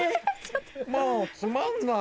もうつまんない！